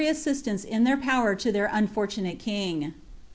Bssislance in their power lo itieir unfortunale king.'